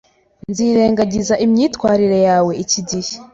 Nzirengagiza imyitwarire yawe iki gihe.